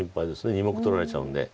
２目取られちゃうんで。